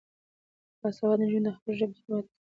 باسواده نجونې د خپلې ژبې خدمت کوي.